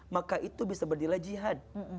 maka itu bisa berdirilah jihad